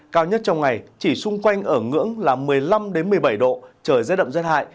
cao nhất trong ngày chỉ xung quanh ở ngưỡng là một mươi năm một mươi bảy độ trời rét đậm rét hại